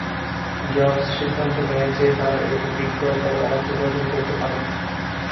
Jobs সিদ্ধান্ত নেন যে তারা এটি বিক্রয় করে অর্থ উপার্জন করতে পারেন।